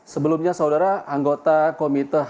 sebelumnya saudara anggota komite